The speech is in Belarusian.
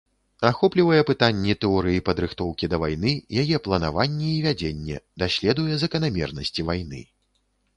Ахоплівае пытанні тэорыі падрыхтоўкі да вайны, яе планаванне і вядзенне, даследуе заканамернасці вайны.